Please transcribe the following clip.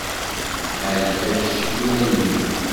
Teɛjeb-ak ccikula-nni.